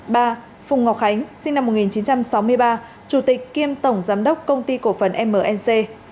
ba phùng ngọc khánh sinh năm một nghìn chín trăm sáu mươi ba chủ tịch kiêm tổng giám đốc công ty cổ phần mnc